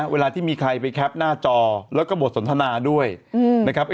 เวลาที่มีใครไปแคปหน้าจอแล้วก็บทสนทนาด้วยนะครับ